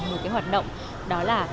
một cái hoạt động đó là